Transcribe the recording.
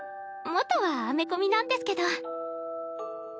元はアメコミなんですけど。